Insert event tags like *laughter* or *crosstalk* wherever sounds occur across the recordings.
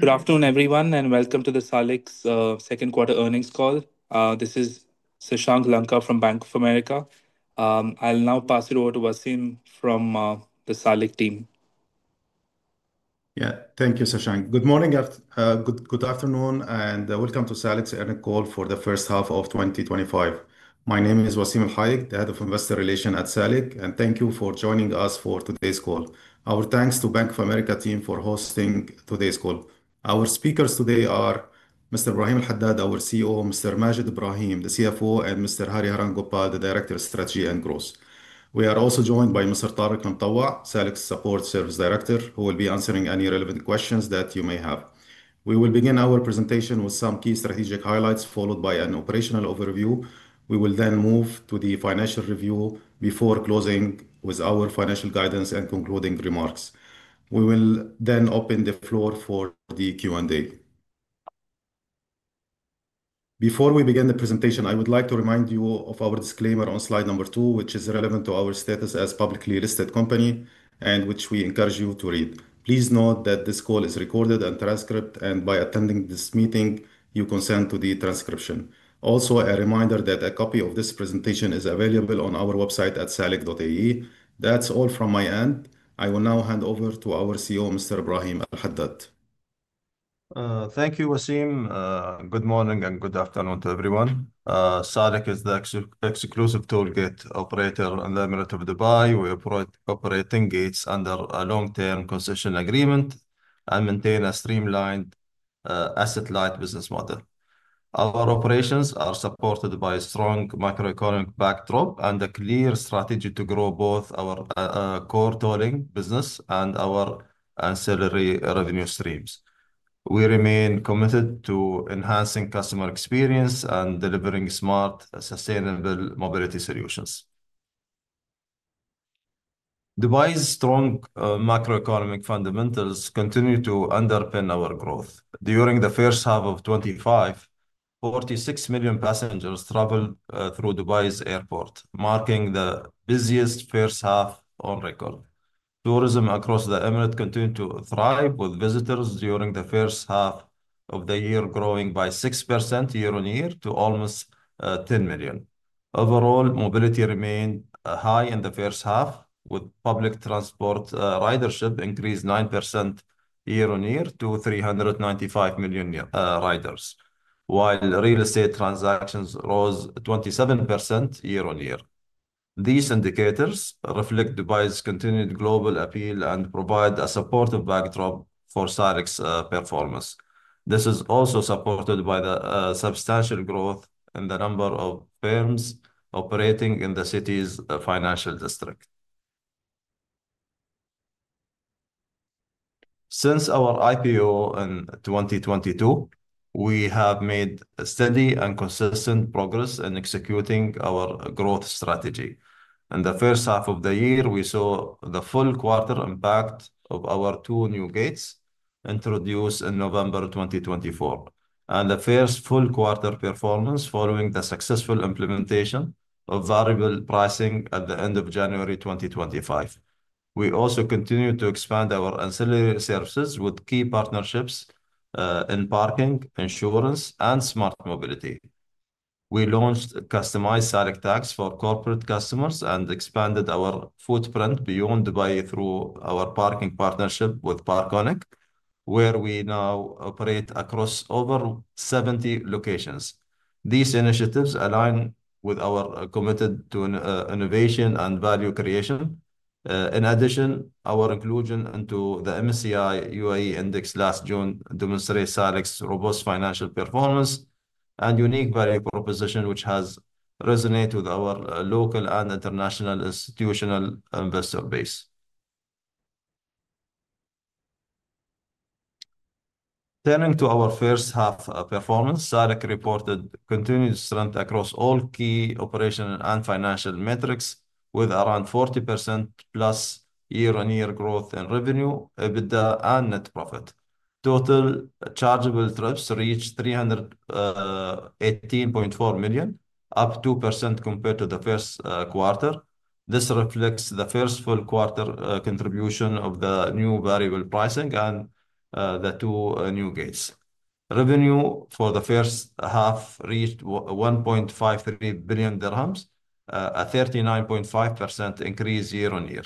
Good afternoon, everyone, and welcome to the Salik second quarter earnings call. This is Sashank Lanka from Bank of America. I'll now pass it over to Wassim from the Salik team. Yeah, thank you, Sashank. Good morning, good afternoon, and welcome to Salik's earnings call for the first half of 2025. My name is Wassim El Hayek, the Head of Investor Relations at Salik, and thank you for joining us for today's call. Our thanks to the Bank of America team for hosting today's call. Our speakers today are Mr. Ibrahim Al Haddad, our CEO, Mr. Maged Ibrahim, the CFO, and Mr. Hariharan Gopal, the Director of Strategy and Growth. We are also joined by Mr. Tariq Mantowa, Salik Support Service Director, who will be answering any relevant questions that you may have. We will begin our presentation with some key strategic highlights, followed by an operational overview. We will then move to the financial review before closing with our financial guidance and concluding remarks. We will then open the floor for the Q&A. Before we begin the presentation, I would like to remind you of our disclaimer on slide number two, which is relevant to our status as a publicly listed company, and which we encourage you to read. Please note that this call is recorded and transcribed, and by attending this meeting, you consent to the transcription. Also, a reminder that a copy of this presentation is available on our website at salik.ai. That's all from my end. I will now hand over to our CEO, Mr. Ibrahim Al Haddad. Thank you, Wassim. Good morning and good afternoon to everyone. Salik is the exclusive toll gate operator in the Emirate of Dubai. We operate toll gates under a long-term concession agreement and maintain a streamlined asset-light business model. Our operations are supported by a strong macroeconomic backdrop and a clear strategy to grow both our core tolling business and our ancillary revenue streams. We remain committed to enhancing customer experience and delivering smart, sustainable mobility solutions. Dubai's strong macroeconomic fundamentals continue to underpin our growth. During the first half of 2025, 46 million passengers traveled through Dubai's airport, marking the busiest first half on record. Tourism across the Emirates continued to thrive, with visitors during the first half of the year growing by 6% year-on-year to almost 10 million. Overall, mobility remained high in the first half, with public transport ridership increasing 9% year-on-year to 395 million riders, while real estate transactions rose 27% year-on-year. These indicators reflect Dubai's continued global appeal and provide a supportive backdrop for Salik's performance. This is also supported by the substantial growth in the number of firms operating in the city's financial district. Since our IPO in 2022, we have made steady and consistent progress in executing our growth strategy. In the first half of the year, we saw the full quarter impact of our two new gates introduced in November 2024, and the first full quarter performance following the successful implementation of variable pricing at the end of January 2025. We also continue to expand our ancillary services with key partnerships in parking, insurance, and smart mobility. We launched customized Salik tags for corporate customers and expanded our footprint beyond Dubai through our parking partnership with Parkonic, where we now operate across over 70 locations. These initiatives align with our commitment to innovation and value creation. In addition, our inclusion into the MSCI UAE Index last June demonstrates Salik's robust financial performance and unique value proposition, which resonates with our local and international institutional investor base. Turning to our first half performance, Salik reported continued strength across all key operational and financial metrics, with around 40%+ year-on-year growth in revenue, EBITDA, and net profit. Total chargeable trips reached 318.4 million, up 2% compared to the first quarter. This reflects the first full quarter contribution of the new variable pricing and the two new gates. Revenue for the first half reached 1.53 billion dirhams, a 39.5% increase year-on-year.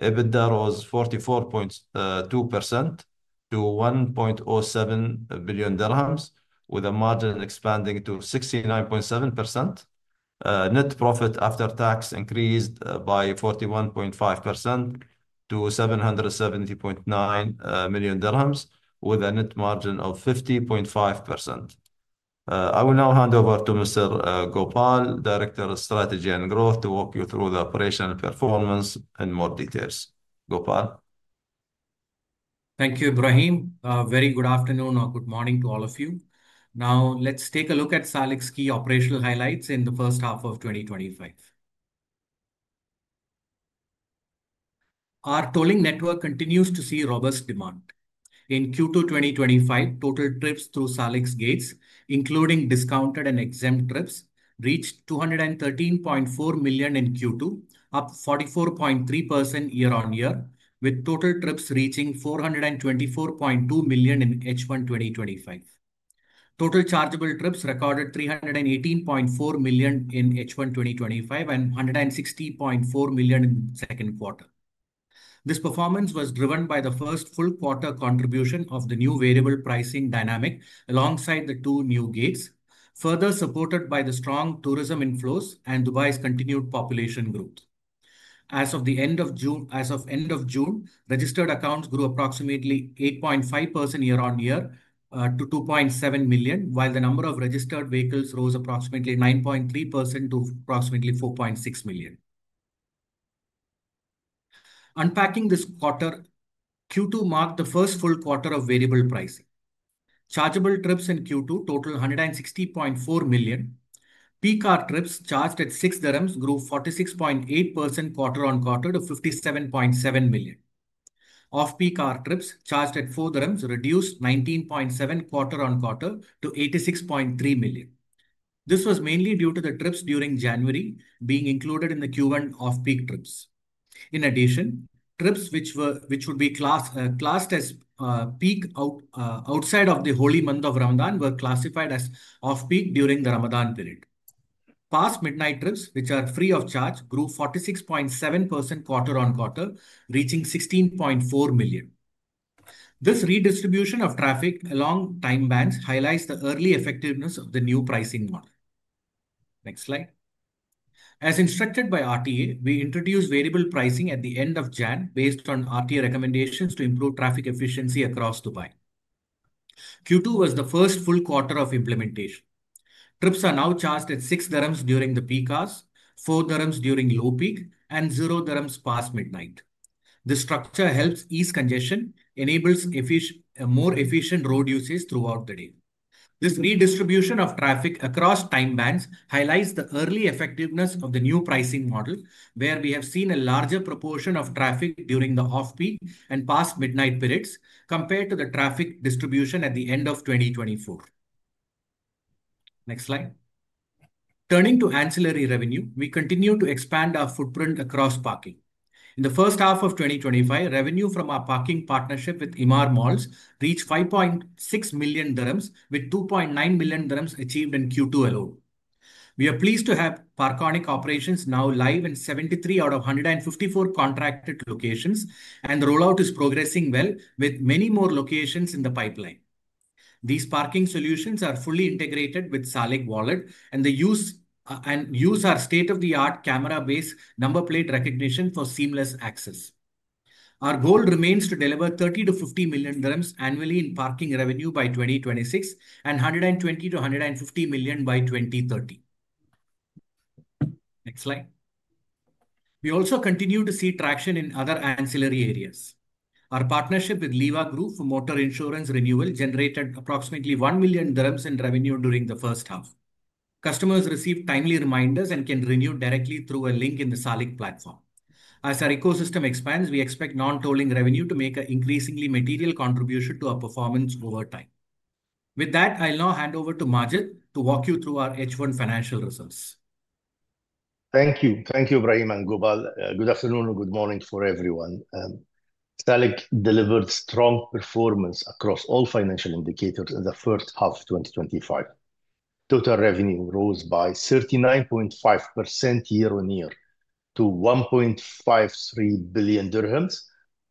EBITDA rose 44.2% to 1.07 billion dirhams, with a margin expanding to 69.7%. Net profit after tax increased by 41.5% to 770.9 million dirhams, with a net margin of 50.5%. I will now hand over to Mr. Gopal, Director of Strategy and Growth, to walk you through the operational performance in more details. Gopal. Thank you, Ibrahim. Very good afternoon or good morning to all of you. Now, let's take a look at Salik's key operational highlights in the first half of 2025. Our tolling network continues to see robust demand. In Q2 2025, total trips through Salik gates, including discounted and exempt trips, reached 213.4 million in Q2, up 44.3% year-on-year, with total trips reaching 424.2 million in H1 2025. Total chargeable trips recorded 318.4 million in H1 2025 and 160.4 million in the second quarter. This performance was driven by the first full quarter contribution of the new variable pricing dynamic alongside the two new gates, further supported by the strong tourism inflows and Dubai's continued population growth. As of the end of June, registered accounts grew approximately 8.5% year-on-year to 2.7 million, while the number of registered vehicles rose approximately 9.3% to approximately 4.6 million. Unpacking this quarter, Q2 marked the first full quarter of variable pricing. Chargeable trips in Q2 totaled 160.4 million. Peak car trips charged at 6 dirhams grew 46.8% quarter on quarter to 57.7 million. Off-peak car trips charged at 4 dirhams reduced 19.7% quarter on quarter to 86.3 million. This was mainly due to the trips during January being included in the Q1 off-peak trips. In addition, trips which would be classed as peak outside of the holy month of Ramadan were classified as off-peak during the Ramadan period. Past midnight trips, which are free of charge, grew 46.7% quarter on quarter, reaching 16.4 million. This redistribution of traffic along time bands highlights the early effectiveness of the new pricing model. Next slide. As instructed by RTA, we introduced variable pricing at the end of January, based on RTA recommendations to improve traffic efficiency across Dubai. Q2 was the first full quarter of implementation. Trips are now charged at 6 dirhams during the peak cars, 4 dirhams during low peak, and 0 dirhams past midnight. This structure helps ease congestion and enables more efficient road usage throughout the day. This redistribution of traffic across time bands highlights the early effectiveness of the new pricing model, where we have seen a larger proportion of traffic during the off-peak and past midnight periods compared to the traffic distribution at the end of 2024. Next slide. Turning to ancillary revenue, we continue to expand our footprint across parking. In the first half of 2025, revenue from our parking partnership with Emaar Malls reached 5.6 million dirhams, with 2.9 million dirhams achieved in Q2 alone. We are pleased to have Parkonic operations now live in 73 out of 154 contracted locations, and the rollout is progressing well, with many more locations in the pipeline. These parking solutions are fully integrated with Salik Wallet and use our state-of-the-art camera-based number plate recognition for seamless access. Our goal remains to deliver 30 million-50 million dirhams annually in parking revenue by 2026 and 120 million-150 million by 2030. Next slide. We also continue to see traction in other ancillary areas. Our partnership with Liva Group for motor insurance renewal generated approximately 1 million dirhams in revenue during the first half. Customers receive timely reminders and can renew directly through a link in the Salik platform. As our ecosystem expands, we expect non-tolling revenue to make an increasingly material contribution to our performance over time. With that, I'll now hand over to Maged to walk you through our H1 financial results. Thank you. Thank you, Ibrahim and Gopal. Good afternoon or good morning for everyone. Salik delivered strong performance across all financial indicators in the first half of 2025. Total revenue rose by 39.5% year-on-year to 1.53 billion dirhams,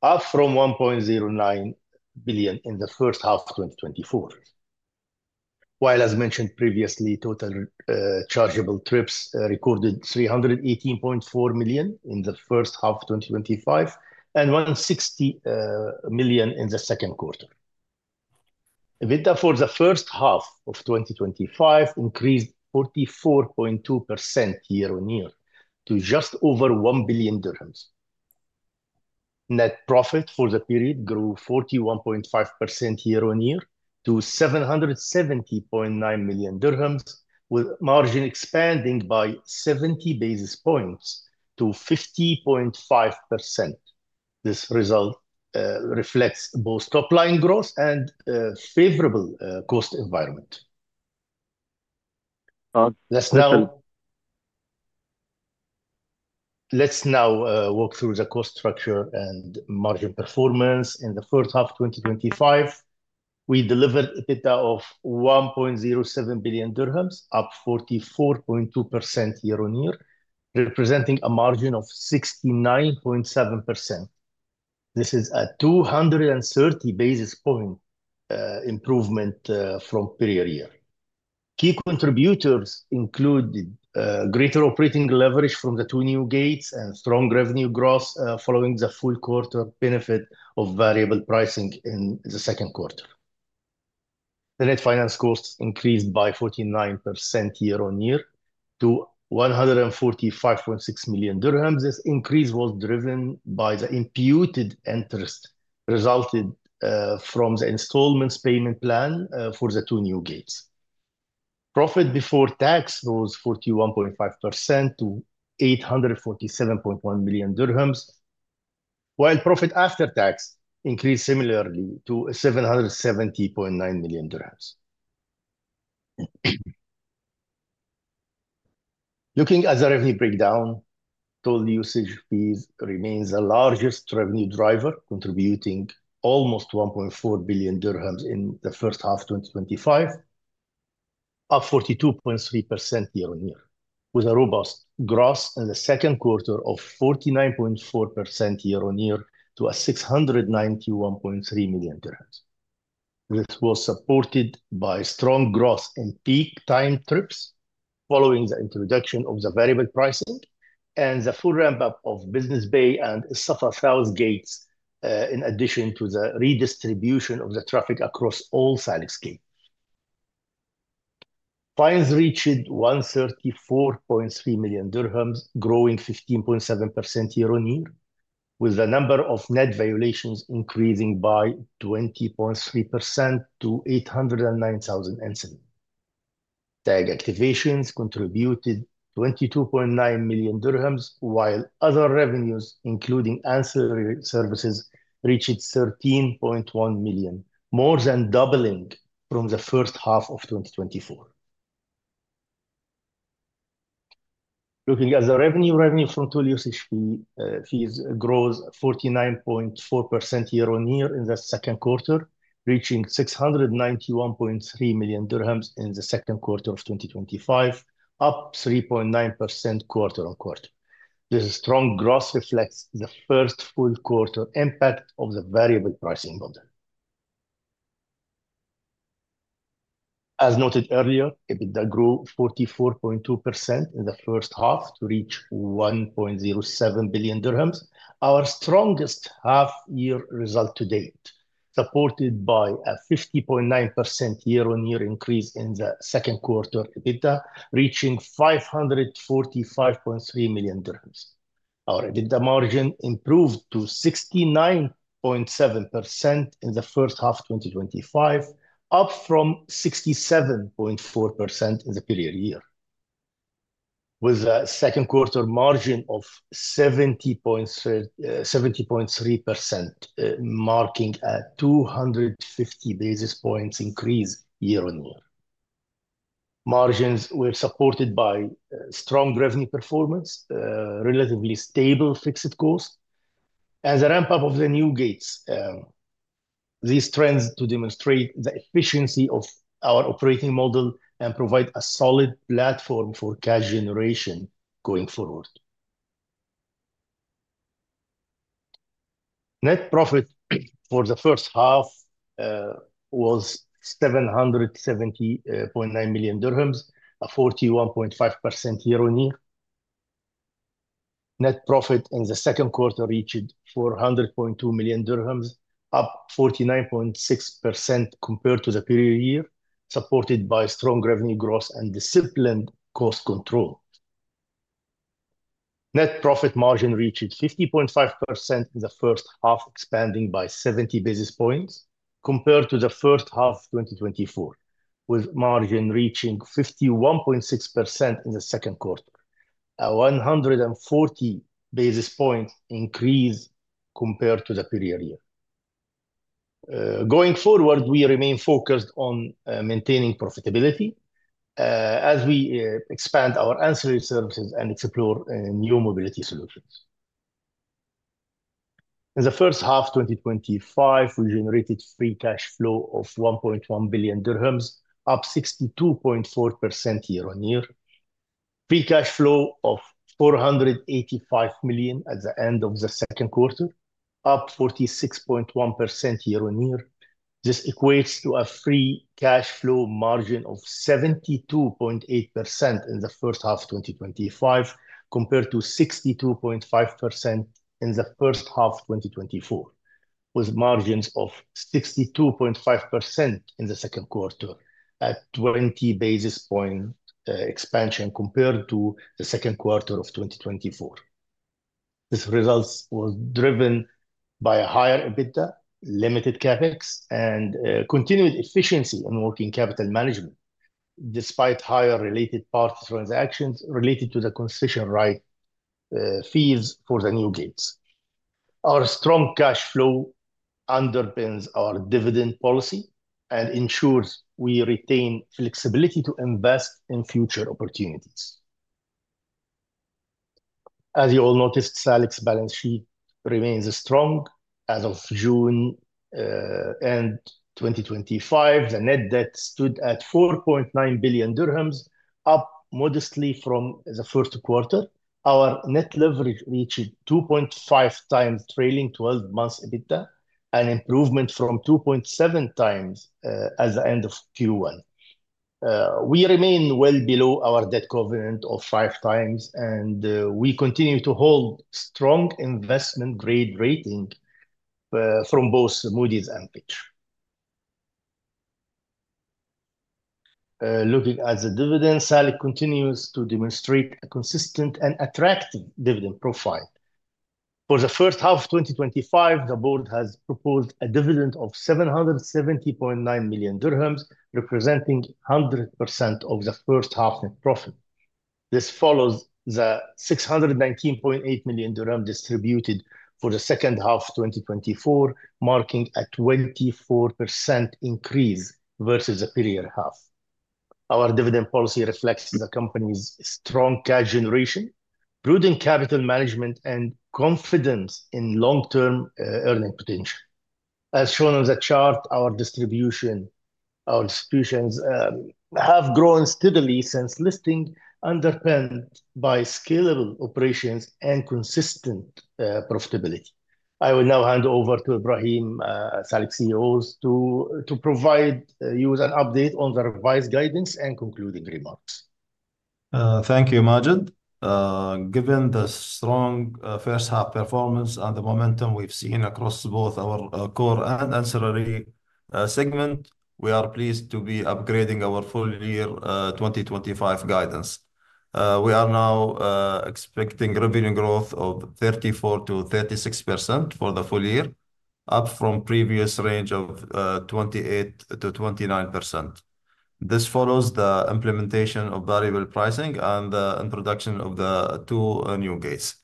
up from 1.09 billion in the first half of 2024. While, as mentioned previously, total chargeable trips recorded 318.4 million in the first half of 2025 and 160 million in the second quarter. EBITDA for the first half of 2025 increased 44.2% year-on-year to just over 1 billion dirhams. Net profit for the period grew 41.5% year-on-year to 770.9 million dirhams, with margin expanding by 70 basis points to 50.5%. This result reflects both top-line growth and a favorable cost environment. Let's now walk through the cost structure and margin performance in the first half of 2025. We delivered EBITDA of 1.07 billion dirhams, up 44.2% year-on-year, representing a margin of 69.7%. This is a 230 basis point improvement from the previous year. Key contributors include greater operating leverage from the two new gates and strong revenue growth following the full quarter benefit of variable pricing in the second quarter. Finance costs increased by 49% year-on-year to 145.6 million dirhams. This increase was driven by the imputed interest resulting from the installments payment plan for the two new gates. Profit before tax was 41.5% to 847.1 million dirhams, while profit after tax increased similarly to 770.9 million dirhams. Looking at the revenue breakdown, toll usage fees remain the largest revenue driver, contributing almost 1.4 billion dirhams in the first half of 2025, up 42.3% year-on-year, with a robust growth in the second quarter of 49.4% year-on-year to 691.3 million dirhams. This was supported by strong growth in peak time trips following the introduction of the variable pricing and the full ramp-up of Business Bay and Safa South gates, in addition to the redistribution of the traffic across all Salik gates. Fines reached 134.3 million dirhams, growing 15.7% year-on-year, with the number of net violations increasing by 20.3% to 809,000 incidents. Tag activations contributed 22.9 million dirhams, while other revenues, including ancillary services, reached 13.1 million, more than doubling from the first half of 2024. Looking at the revenue, revenue from toll usage fees rose 49.4% year-on-year in the second quarter, reaching 691.3 million dirhams in the second quarter of 2025, up 3.9% quarter on quarter. This strong growth reflects the first full quarter impact of the variable pricing model. As noted earlier, EBITDA grew 44.2% in the first half to reach 1.07 billion dirhams, our strongest half-year result to date, supported by a 50.9% year-on-year increase in the second quarter EBITDA, reaching 545.3 million dirhams. Our EBITDA margin improved to 69.7% in the first half of 2025, up from 67.4% in the previous year, with a second quarter margin of 70.3%, marking a 250 basis points increase year-on-year. Margins were supported by strong revenue performance, relatively stable fixed costs, and the ramp-up of the new gates. These trends demonstrate the efficiency of our operating model and provide a solid platform for cash generation going forward. Net profit for the first half was 770.9 million dirhams, a 41.5% year-on-year increase. Net profit in the second quarter reached 400.2 million dirhams, up 49.6% compared to the previous year, supported by strong revenue growth and disciplined cost control. Net profit margin reached 50.5% in the first half, expanding by 70 basis points compared to the first half of 2024, with margin reaching 51.6% in the second quarter, a 140 basis point increase compared to the previous year. Going forward, we remain focused on maintaining profitability as we expand our ancillary services and explore new mobility solutions. In the first half of 2025, we generated free cash flow of 1.1 billion dirhams, up 62.4% year-on-year. Free cash flow of 485 million at the end of the second quarter, up 46.1% year-on-year. This equates to a free cash flow margin of 72.8% in the first half of 2025 compared to 62.5% in the first half of 2024, with margins of 62.5% in the second quarter, a 20 basis point expansion compared to the second quarter of 2024. These results were driven by a higher EBITDA, limited capex, and continued efficiency in working capital management, despite higher related parts transactions related to the concession fees for the new gates. Our strong cash flow underpins our dividend policy and ensures we retain flexibility to invest in future opportunities. As you all noticed, Salik's balance sheet remains strong. As of June end 2025, the net debt stood at 4.9 billion dirhams, up modestly from the first quarter. Our net leverage reached 2.5x trailing 12 months EBITDA, an improvement from 2.7x at the end of Q1. We remain well below our debt covenant of five times, and we continue to hold strong investment-grade rating from both Moody’s and Fitch. Looking at the dividends, Salik continues to demonstrate a consistent and attractive dividend profile. For the first half of 2025, the board has proposed a dividend of 770.9 million dirhams, representing 100% of the first half profit. This follows the 619.8 million dirham distributed for the second half of 2024, marking a 24% increase versus the previous half. Our dividend policy reflects the company's strong cash generation, prudent capital management, and confidence in long-term earning potential. As shown on the chart, our distributions have grown steadily since listing, underpinned by scalable operations and consistent profitability. I will now hand over to Ibrahim, Salik's CEO, to provide you with an update on the revised guidance and concluding remarks. Thank you, Maged. Given the strong first-half performance and the momentum we've seen across both our core and ancillary segments, we are pleased to be upgrading our full year 2025 guidance. We are now expecting revenue growth of 34%-36% for the full year, up from the previous range of 28%- 29%. This follows the implementation of variable pricing and the introduction of the two new gates.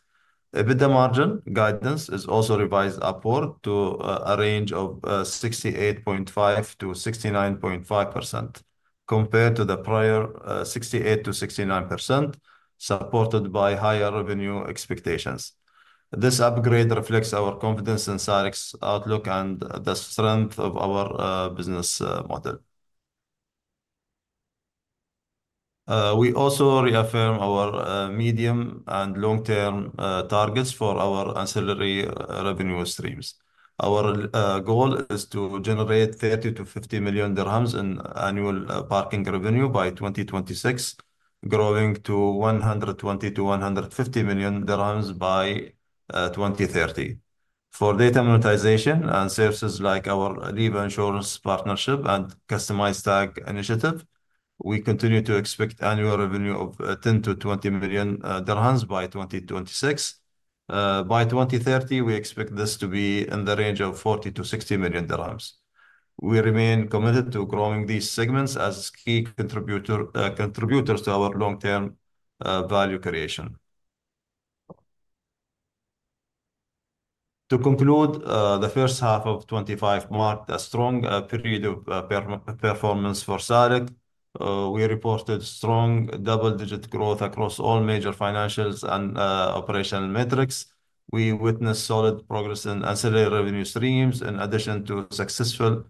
EBITDA margin guidance is also revised upward to a range of 68.5%-69.5% compared to the prior 68%-69%, supported by higher revenue expectations. This upgrade reflects our confidence in Salik's outlook and the strength of our business model. We also reaffirm our medium and long-term targets for our ancillary revenue streams. Our goal is to generate 30 million-50 million dirhams in annual parking revenue by 2026, growing to 120 million-150 million dirhams by 2030. For data monetization and services like our Liva Group Insurance Partnership and Customized Tag Initiative, we continue to expect annual revenue of 10 million-20 million dirhams by 2026. By 2030, we expect this to be in the range of 40 million-60 million dirhams. We remain committed to growing these segments as key contributors to our long-term value creation. To conclude, the first half of 2025 marked a strong period of performance for Salik. We reported strong double-digit growth across all major financials and operational metrics. We witnessed solid progress in ancillary revenue streams, in addition to successful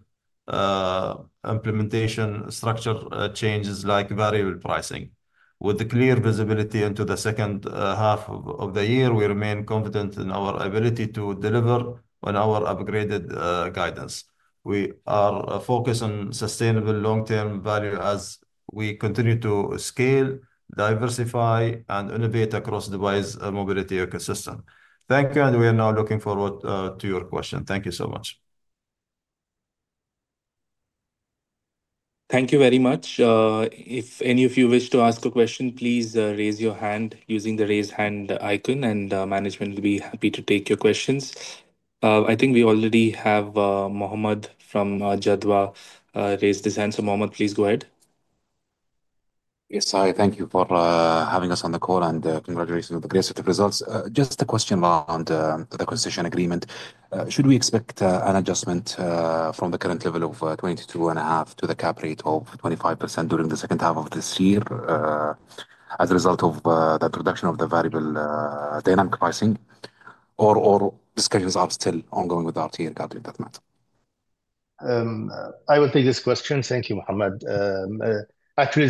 implementation structure changes like variable pricing. With clear visibility into the second half of the year, we remain confident in our ability to deliver on our upgraded guidance. We are focused on sustainable long-term value as we continue to scale, diversify, and innovate across Dubai's mobility ecosystem. Thank you, and we are now looking forward to your questions. Thank you so much. Thank you very much. If any of you wish to ask a question, please raise your hand using the raise hand icon, and the management will be happy to take your questions. I think we already have Mohammad from Jadwa raised his hand. Mohammad, please go ahead. Yes, thank you for having us on the call and congratulations on the greatest results. Just a question on the concession agreement. Should we expect an adjustment from the current level of 22.5% to the cap rate of 25% during the second half of this year as a result of that reduction of the variable pricing, or are discussions still ongoing with RTA and? *audio distortion* I will take this question. Thank you, Mohammad. Actually,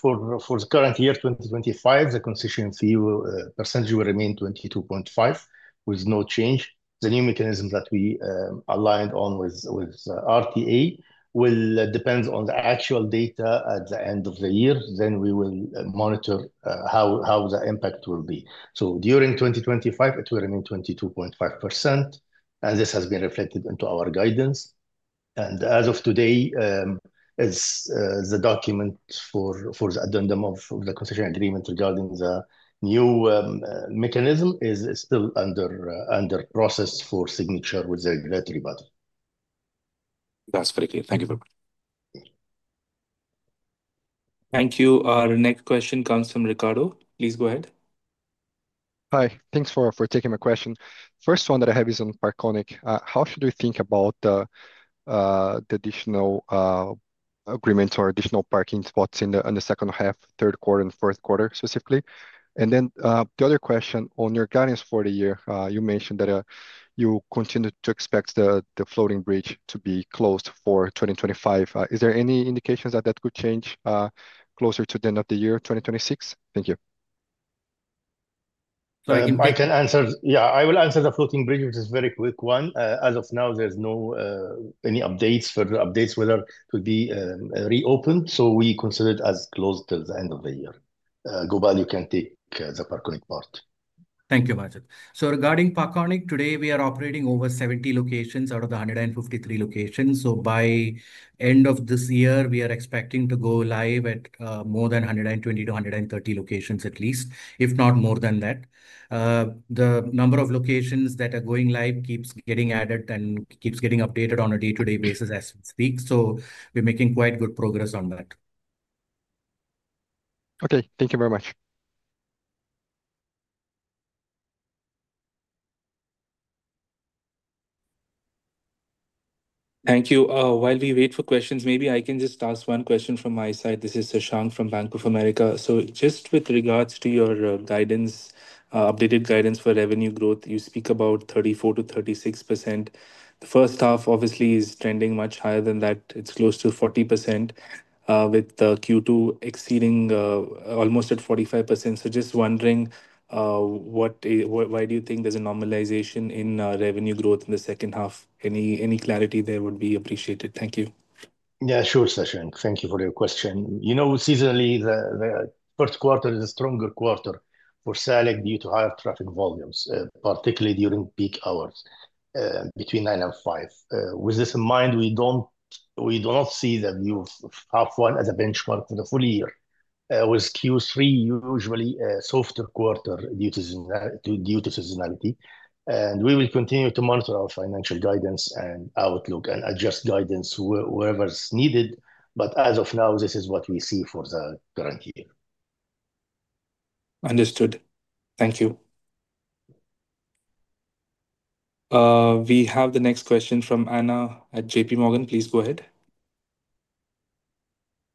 for the current year, 2025, the concession fee percentage will remain 22.5% with no change. The new mechanism that we aligned on with RTA will depend on the actual data at the end of the year. We will monitor how the impact will be. During 2025, it will remain 22.5%, and this has been reflected into our guidance. As of today, the document for the addendum of the concession agreement regarding the new mechanism is still under process for signature with the grant rebuttal. That's very clear. Thank you. Thank you. Our next question comes from Ricardo. Please go ahead. Hi. Thanks for taking my question. The first one that I have is on Parkonic. How should we think about the additional agreements or additional parking spots in the second half, third quarter, and fourth quarter specifically? The other question on your guidance for the year, you mentioned that you continue to expect the floating bridge to be closed for 2025. Is there any indication that that could change closer to the end of the year 2026? Thank you. I can answer. Yeah, I will answer the floating bridge, which is a very quick one. As of now, there's no updates, further updates, whether it could be reopened. We consider it as closed till the end of the year. Gopal, you can take the Parkonic part. Thank you, Maged. Regarding Parkonic, today we are operating over 70 locations out of the 153 locations. By the end of this year, we are expecting to go live at more than 120-130 locations at least, if not more than that. The number of locations that are going live keeps getting added and keeps getting updated on a day-to-day basis as we speak. We are making quite good progress on that. Okay, thank you very much. Thank you. While we wait for questions, maybe I can just ask one question from my side. This is Sashank from Bank of America. Just with regards to your guidance, updated guidance for revenue growth, you speak about 34%-36%. The first half obviously is trending much higher than that. It's close to 40%, with the Q2 exceeding almost at 45%. Just wondering, why do you think there's a normalization in revenue growth in the second half? Any clarity there would be appreciated. Thank you. Yeah, sure, Sashank. Thank you for your question. Seasonally, the first quarter is a stronger quarter for Salik due to higher traffic volumes, particularly during peak hours between 9:00 A.M. and 5:00 P.M. With this in mind, we do not see the view of half one as a benchmark for the full year. Q3 is usually a softer quarter due to seasonality. We will continue to monitor our financial guidance and outlook and adjust guidance wherever it's needed. As of now, this is what we see for the current year. Understood. Thank you. We have the next question from Anna at JPMorgan. Please go ahead.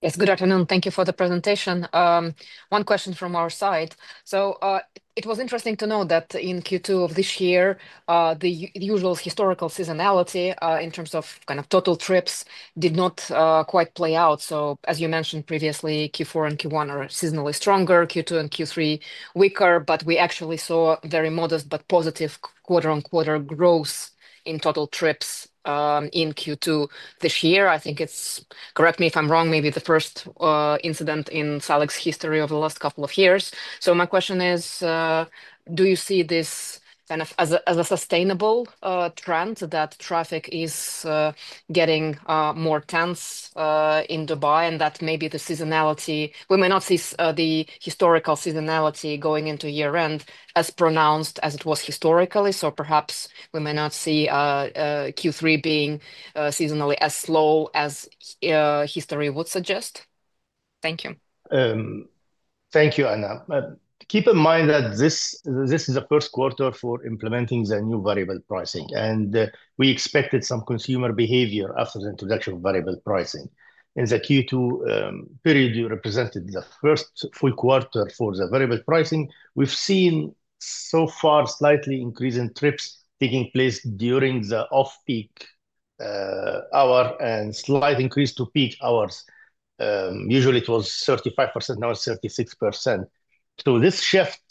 Yes, good afternoon. Thank you for the presentation. One question from our side. It was interesting to note that in Q2 of this year, the usual historical seasonality in terms of total trips did not quite play out. As you mentioned previously, Q4 and Q1 are seasonally stronger, Q2 and Q3 weaker, but we actually saw very modest but positive quarter-on-quarter growth in total trips in Q2 this year. I think it's, correct me if I'm wrong, maybe the first incident in Salik's history over the last couple of years. My question is, do you see this as a sustainable trend that traffic is getting more tense in Dubai and that maybe the seasonality, we may not see the historical seasonality going into year-end as pronounced as it was historically. Perhaps we may not see Q3 being seasonally as slow as history would suggest. Thank you. Thank you, Anna. Keep in mind that this is the first quarter for implementing the new variable pricing, and we expected some consumer behavior after the introduction of variable pricing. In the Q2 period, you represented the first full quarter for the variable pricing. We've seen so far a slight increase in trips taking place during the off-peak hour and a slight increase to peak hours. Usually, it was 35%, now it's 36%. This shift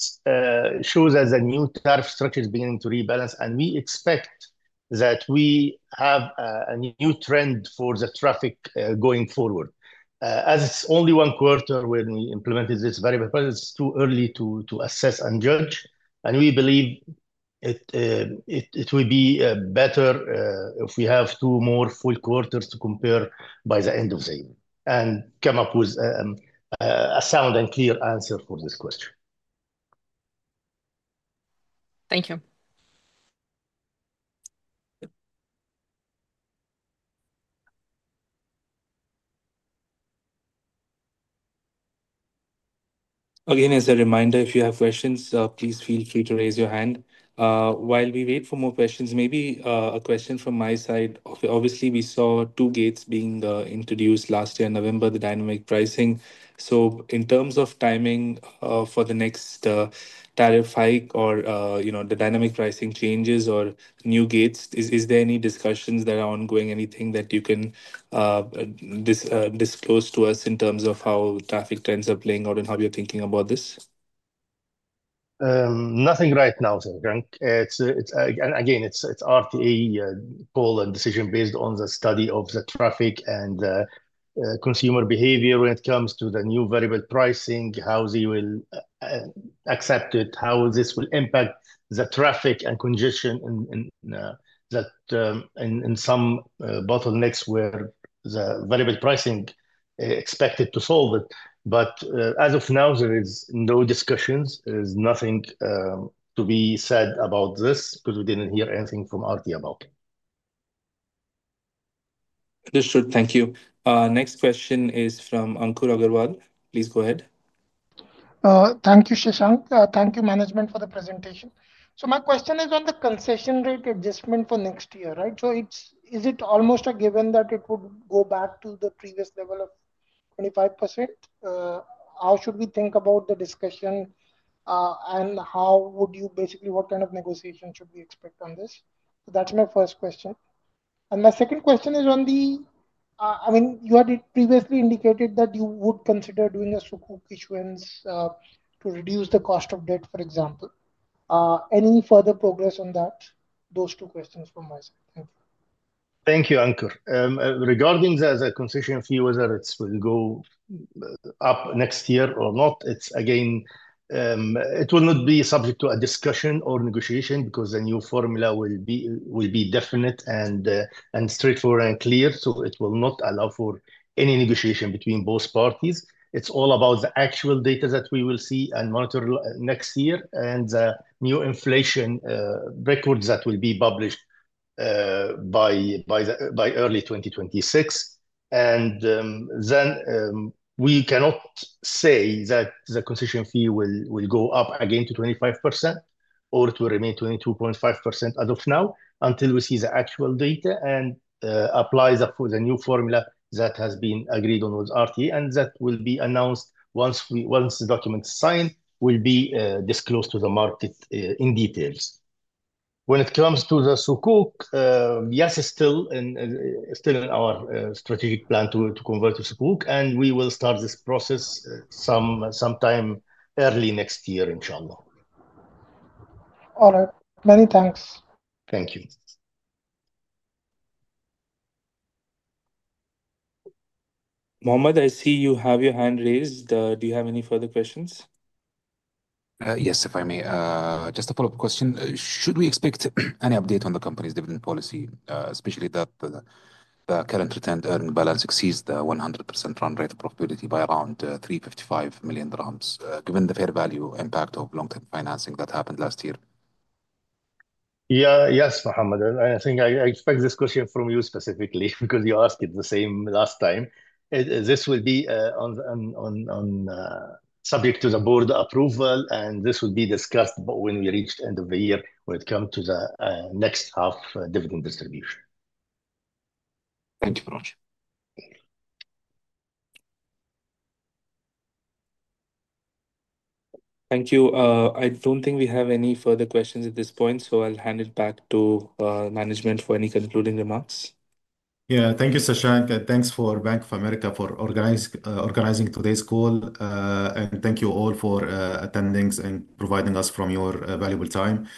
shows us that the new tariff structure is beginning to rebalance, and we expect that we have a new trend for the traffic going forward. As it's only one quarter when we implemented this variable price, it's too early to assess and judge. We believe it will be better if we have two more full quarters to compare by the end of the year and come up with a sound and clear answer for this question. Thank you. Again, as a reminder, if you have questions, please feel free to raise your hand. While we wait for more questions, maybe a question from my side. Obviously, we saw two gates being introduced last year in November, the dynamic pricing. In terms of timing for the next tariff hike or the dynamic pricing changes or new gates, is there any discussions that are ongoing? Anything that you can disclose to us in terms of how traffic trends are playing out and how you're thinking about this? Nothing right now, Sashank. Again, it's RTA call and decision based on the study of the traffic and the consumer behavior when it comes to the new variable pricing, how they will accept it, how this will impact the traffic and congestion in some bottlenecks where the variable pricing is expected to solve it. As of now, there are no discussions. There's nothing to be said about this because we didn't hear anything from RTA about it. Understood. Thank you. Next question is from Ankur Agarwal. Please go ahead. Thank you, Sashank. Thank you, management, for the presentation. My question is on the concession rate adjustment for next year, right? Is it almost a given that it would go back to the previous level of 25%? How should we think about the discussion and what kind of negotiation should we expect on this? That's my first question. My second question is on the, I mean, you had previously indicated that you would consider doing a Sukuk issuance to reduce the cost of debt, for example. Any further progress on that? Those two questions from my side. Thank you, Ankur. Regarding the concession fee, whether it will go up next year or not, it will not be subject to a discussion or negotiation because the new formula will be definite, straightforward, and clear. It will not allow for any negotiation between both parties. It's all about the actual data that we will see and monitor next year and the new inflation records that will be published by early 2026. We cannot say that the concession fee will go up again to 25% or it will remain 22.5% as of now until we see the actual data and apply the new formula that has been agreed on with RTA and that will be announced once the document is signed, and will be disclosed to the market in detail. When it comes to the Sukuk, yes, it's still in our strategic plan to convert to Sukuk, and we will start this process sometime early next year, inshallah. All right, many thanks. Thank you. Mohammad, I see you have your hand raised. Do you have any further questions? Yes, if I may. Just a follow-up question. Should we expect any update on the company's dividend policy, especially that the current return to earning balance exceeds the 100% run rate profitability by around 355 million dirhams, given the fair value impact of long-term financing that happened last year? Yeah, yes, Mohammad. I think I expect this question from you specifically because you asked it the same last time. This will be subject to the board approval, and this would be discussed when we reach the end of the year when it comes to the next half dividend distribution. Thank you very much. Thank you. I don't think we have any further questions at this point, so I'll hand it back to management for any concluding remarks. Thank you, Sashank, and thanks to Bank of America for organizing today's call. Thank you all for attending and providing us with your valuable time.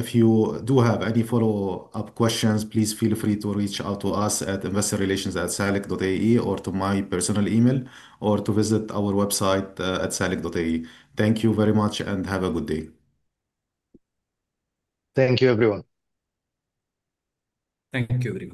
If you do have any follow-up questions, please feel free to reach out to us at investorrelations@salik.ae or to my personal email, or visit our website at @salik.ae. Thank you very much and have a good day. Thank you, everyone. Thank you.